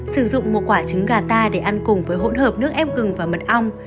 sử dụng một quả trứng gà ta để ăn cùng với hỗn hợp nước ép gừng và mật ong